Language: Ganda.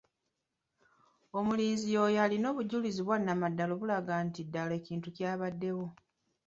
Omujulizi y'oyo alina obujulizi obwanamaddala obulaga nti ddala ekintu kyabaddewo.